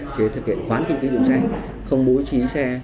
chỉ thực hiện khoán kinh tế dụng xe không bối trí xe